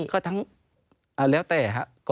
ก็ทั้งแล้วแต่ครับ